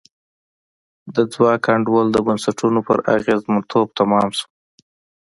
د ځواک انډول د بنسټونو پر اغېزمنتوب تمام شو.